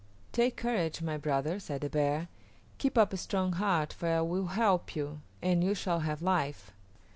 "Take courage, my brother," said the bear. "Keep up a strong heart, for I will help you, and you shall have life."